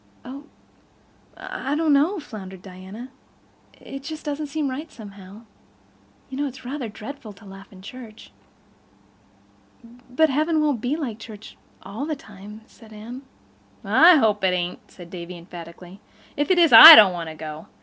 "Oh—I—I don't know" floundered Diana. "It doesn't seem just right, somehow. You know it's rather dreadful to laugh in church." "But heaven won't be like church—all the time," said Anne. "I hope it ain't," said Davy emphatically. "If it is I don't want to go.